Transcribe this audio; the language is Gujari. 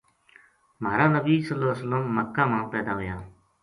مہارا نبی مکہ ما پیدا ہویا۔